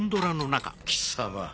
貴様